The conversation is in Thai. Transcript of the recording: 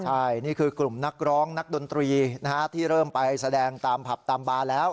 ใช่นี่คือกลุ่มนักร้องนักดนตรีที่เริ่มไปแสดงตามผับตามบาร์แล้ว